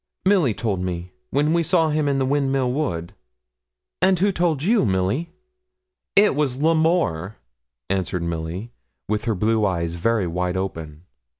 'Milly told me, when we saw him in the Windmill Wood.' 'And who told you, Milly?' 'It was L'Amour,' answered Milly, with her blue eyes very wide open.